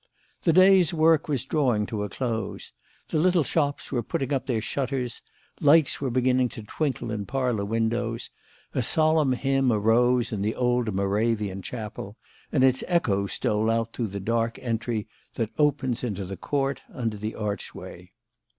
The day's work was drawing to a close. The little shops were putting up their shutters; lights were beginning to twinkle in parlour windows; a solemn hymn arose in the old Moravian chapel, and its echoes stole out through the dark entry that opens into the court under the archway.